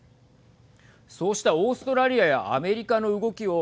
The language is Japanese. そうした、オーストラリアやアメリカの動きを